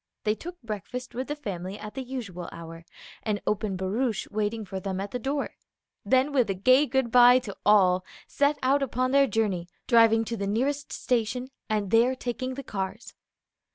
They took breakfast with the family at the usual hour, an open barouche waiting for them at the door; then with a gay good by to all set out upon their journey, driving to the nearest station, and there taking the cars.